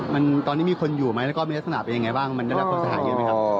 มันตอนนี้มีคนอยู่ไหมแล้วก็มีลักษณะเป็นยังไงบ้างมันได้รับความเสียหายเยอะไหมครับ